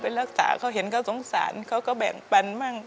ไปรักษาเค้าเห็นเค้าสงสารเค้าก็แบ่งปันบ้าง